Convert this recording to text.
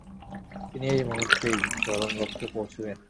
তিনি এই মুহূর্তেই চরম লক্ষ্যে পৌঁছিবেন।